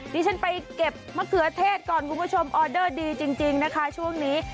ดิฉันไปเก็บมะเขือเทศก่อนคุณผู้ชมออเดอร์ดีจริงนะคะช่วงนี้